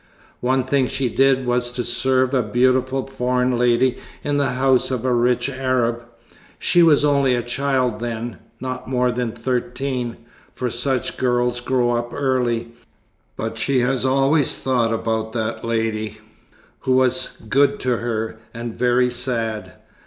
One thing she did was to serve a beautiful foreign lady in the house of a rich Arab. She was only a child then, not more than thirteen, for such girls grow up early; but she has always thought about that lady, who was good to her, and very sad.